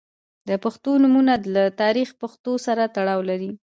• د پښتو نومونه له تاریخي پیښو سره تړاو لري.